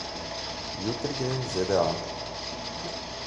Jutri grem v ZDA.